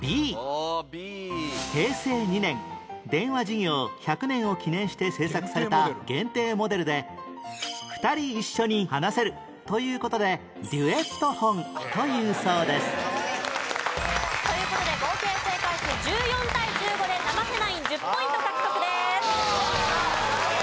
平成２年電話事業１００年を記念して製作された限定モデルで２人一緒に話せるという事でデュエットホンというそうですという事で合計正解数１４対１５で生瀬ナイン１０ポイント獲得です。